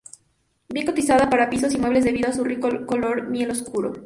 Bien cotizada para pisos y muebles debido a su rico color miel oscura.